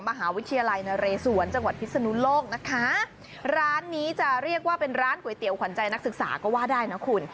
มหาวิทยาลัยนเรศวรจังหวัดพิศนุโลกนะคะร้านนี้จะเรียกว่าเป็นร้านก๋วยเตี๋ยวขวัญใจนักศึกษาก็ว่าได้นะคุณ